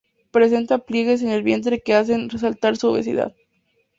Presenta pliegues en el vientre que hacen resaltar su obesidad.